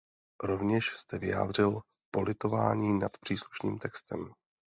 Rovněž jste vyjádřil politování nad příslušným textem.